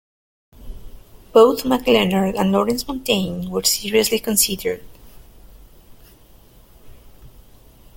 Both Mark Lenard and Lawrence Montaigne were seriously considered.